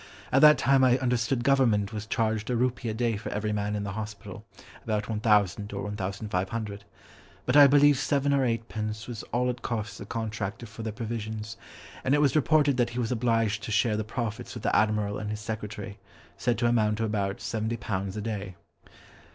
At that time I understood Government was charged a rupee a day for every man in the hospital (about 1000 or 1500) but I believe seven or eight pence was all it cost the contractor for their provisions, and it was reported that he was obliged to share the profits with the admiral and his secretary, said to amount to about £70 a day."